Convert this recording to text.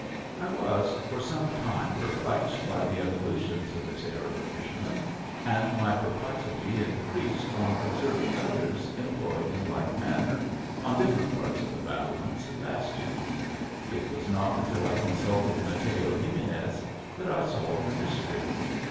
I was for some timn per plexed by the evolutions of this aerial fisherman, aad rny perplexity increased on observing others em INHABITANTS OF THE ALIIAMBEA. 71 ployed in like manner, on different parts of the bat tlements and bastions ; it was not until I consulted Mateo Ximenes that I solved the mystery.